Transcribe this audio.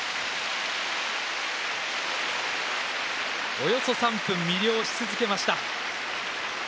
およそ３分魅了し続けました。